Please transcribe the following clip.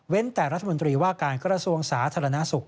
แต่รัฐมนตรีว่าการกระทรวงสาธารณสุข